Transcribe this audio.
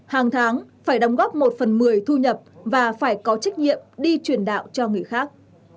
hàng tháng phải đóng góp một phần một mươi thu nhập và phải có trách nhiệm đi truyền đạo cho người khác